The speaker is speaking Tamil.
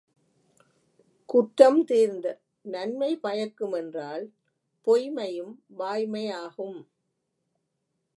குற்றம் தீர்ந்த நன்மை பயக்கும் என்றால் பொய்ம்மையும் வாய்மையாகும்.